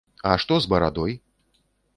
А што з барадой?